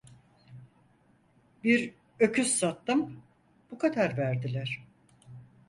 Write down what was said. Bir öküz sattım, bu kadar verdiler.